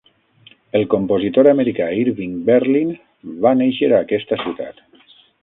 El compositor americà Irving Berlin va néixer a aquesta ciutat.